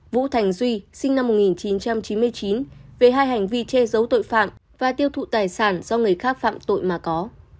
vũ thành duy sinh năm một nghìn chín trăm chín mươi chín về hai hành vi che giấu tội phạm và tiêu thụ tài sản do người khác phạm tội mà có